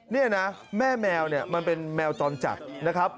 นี่นะแม่แมวมันเป็นแมวจอนจักรนะครับ